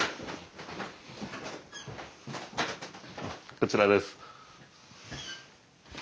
こちらです。